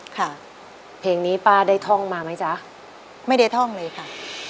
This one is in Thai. ค่ะเพลงนี้ป้าได้ท่องมาไหมจ๊ะไม่ได้ท่องเลยค่ะ